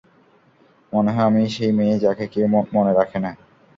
মনে হয় আমিই সেই মেয়ে যাকে কেউ মনে রাখে না।